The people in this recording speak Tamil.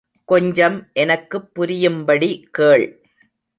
கொஞ்சம் எனக்குப் புரியும்படி கேள்.